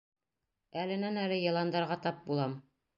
Әленән-әле йыландарға тап булам.